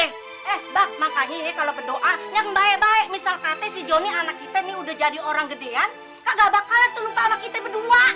eh mbak makanya kalau berdoa yang baik baik misalnya si jonny anak kita ini udah jadi orang gedean kagak bakalan tuh lupa sama kita berdua